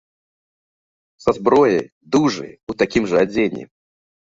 Са зброяй, дужыя, у такім жа адзенні.